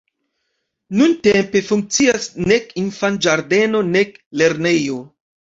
Nuntempe funkcias nek infanĝardeno, nek lernejo.